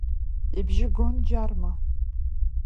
Ибжьы гон Џьарма.